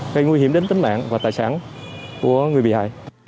gây nguy hiểm đến tính mạng và tài sản của người bị hại